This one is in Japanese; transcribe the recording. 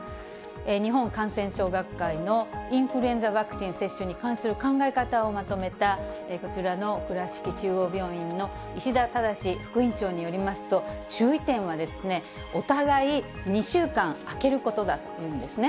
日本感染症学会のインフルエンザワクチン接種に関する考え方をまとめた、こちらの倉敷中央病院の石田直副院長によりますと、注意点は、お互い２週間空けることだというんですね。